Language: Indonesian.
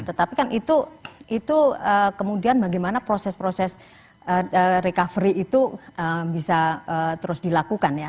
tetapi kan itu kemudian bagaimana proses proses recovery itu bisa terus dilakukan ya